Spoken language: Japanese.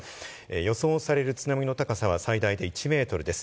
予想される津波の高さは最大で１ｍです。